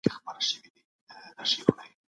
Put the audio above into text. د طبيعي رنګونو کارول څنګه وو؟